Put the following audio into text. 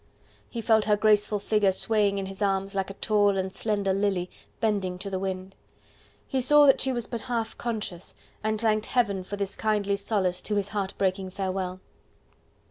He felt her graceful figure swaying in his arms like a tall and slender lily bending to the wind. He saw that she was but half conscious, and thanked heaven for this kindly solace to his heart breaking farewell.